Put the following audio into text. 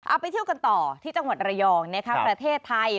เอาไปเที่ยวกันต่อที่จังหวัดระยองประเทศไทย